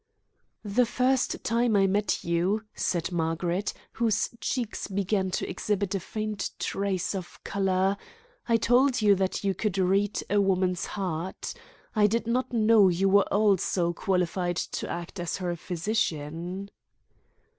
"The first time I met you," said Margaret, whose cheeks began to exhibit a faint trace of colour, "I told you that you could read a woman's heart. I did not know you were also qualified to act as her physician."